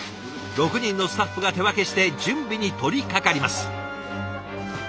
６人のスタッフが手分けして準備に取りかかります。